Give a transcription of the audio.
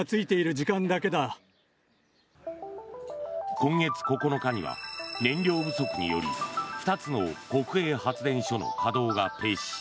今月９日には燃料不足により２つの国営発電所の稼働が停止。